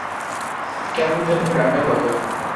কেমন যেন গ্রামের মতো।